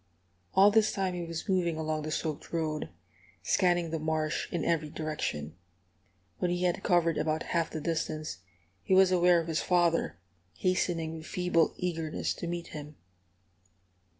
All this time he was moving along the soaked road, scanning the marsh in every direction. When he had covered about half the distance, he was aware of his father, hastening with feeble eagerness to meet him.